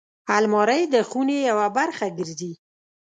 الماري د خونې یوه برخه ګرځي